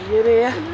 iya deh ya